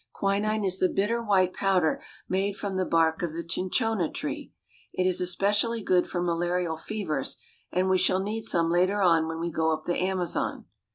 Quinine is the bitter white powder made from the bark of the cin chona tree. It is especially good for malarial fevers, and we shall need some later on when we go up the Amazon.